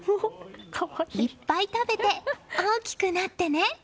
いっぱい食べて大きくなってね！